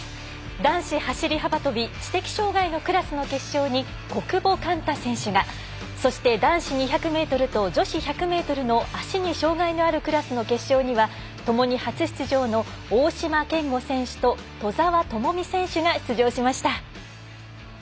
男子走り幅跳び知的障がいのクラスの決勝に小久保寛太選手がそして、男子２００メートルと女子１００メートルの足に障がいのあるクラスの決勝にはともに初出場の大島健吾選手と兎澤朋美選手が出場しました。